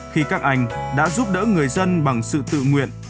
khi các anh đã giúp đỡ người dân bằng sự tự nguyện